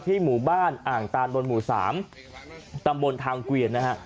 หมู่บ้านอ่างตานบนหมู่๓ตำบลทางเกวียนนะฮะ